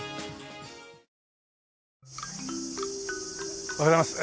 おはようございます。